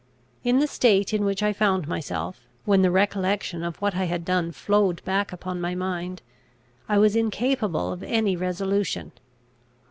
In the state in which I found myself, when the recollection of what I had done flowed back upon my mind, I was incapable of any resolution.